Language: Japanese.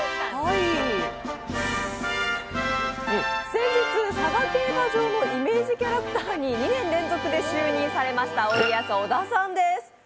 先日、佐賀競馬場のイメージキャラクターに２年連続で就任されましたおいでやす小田さんです。